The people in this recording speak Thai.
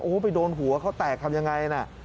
โอ้โหไปโดนหัวเขาแตกทำยังไงน่ะ